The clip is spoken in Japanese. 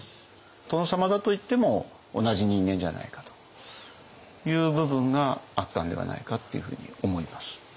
殿様だといっても同じ人間じゃないかという部分があったんではないかっていうふうに思います。